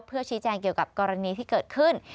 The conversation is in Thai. เพื่อชี้แจงเกี่ยวกับกรณีที่เกิดขึ้น